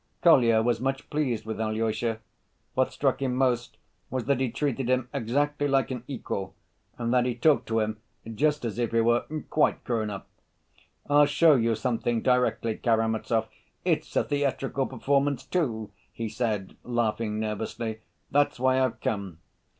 Kolya was much pleased with Alyosha. What struck him most was that he treated him exactly like an equal and that he talked to him just as if he were "quite grown up." "I'll show you something directly, Karamazov; it's a theatrical performance, too," he said, laughing nervously. "That's why I've come."